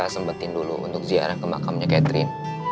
sempetin dulu untuk ziarah ke makamnya catherine